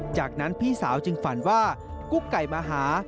จากนั้นพี่สาวจึงฝันว่ากุ๊กไก่มาหา